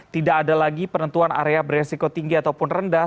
tidak ada lagi penentuan area beresiko tinggi ataupun rendah